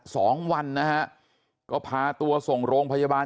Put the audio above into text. สองวันนะฮะก็พาตัวส่งโรงพยาบาล